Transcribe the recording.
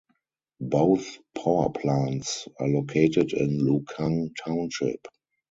Both power plants are located in Lukang Township.